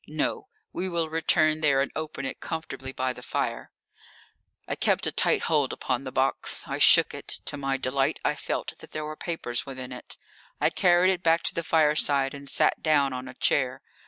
No, we will return there and open it comfortably by the fire." I kept a tight hold upon the box. I shook it. To my delight I felt that there were papers within it. I carried it back to the fireside and sat down on a chair.